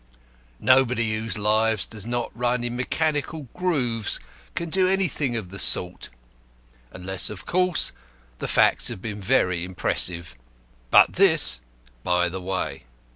Nobody whose life does not run in mechanical grooves can do anything of the sort; unless, of course, the facts have been very impressive. But this by the way.